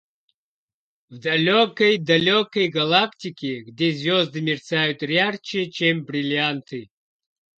В далекой-далекой галактике, где звезды мерцают ярче, чем бриллианты,